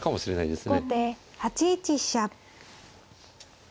後手８一飛車。